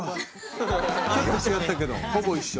ちょっと違ったけどほぼ一緒。